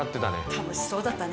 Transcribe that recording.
楽しそうだったね。